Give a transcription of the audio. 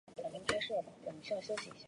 他一帆风顺并夺得两座欧洲冠军。